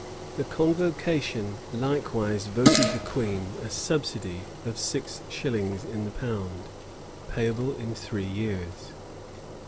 The convocation likewise voted the queen a subsidy of six shillings in the pound, payable in three years.